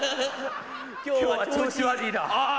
今日は調子悪いなああっ！